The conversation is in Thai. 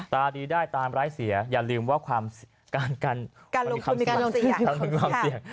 ตาดีได้ตามรายเสียอย่าลืมว่าการกันลงที่มีการลงเสีย